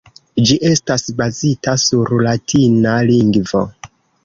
Ĝi estas bazita sur latina lingvo.